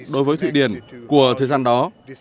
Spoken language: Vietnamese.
đối với thụy điển của thời gian đó